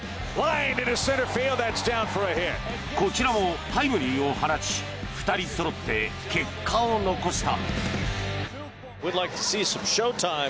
こちらもタイムリーを放ち２人そろって結果を残した。